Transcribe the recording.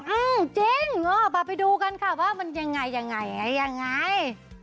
อื้อจริงมาไปดูกันค่ะว่ามันยังไงยังไงยังไง